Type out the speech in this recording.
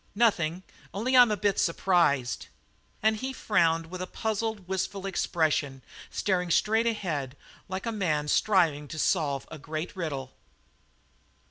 "Nothing. Only I'm a bit surprised." And he frowned with a puzzled, wistful expression, staring straight ahead like a man striving to solve a great riddle.